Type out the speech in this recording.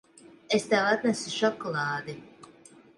Es tev atnesu šokolādi.